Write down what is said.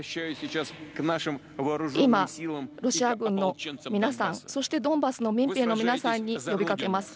今ロシア軍の皆さん、そしてドンバスの民兵の皆さんに呼びかけます。